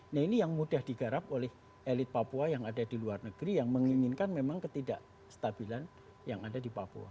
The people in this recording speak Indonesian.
nah ini yang mudah digarap oleh elit papua yang ada di luar negeri yang menginginkan memang ketidakstabilan yang ada di papua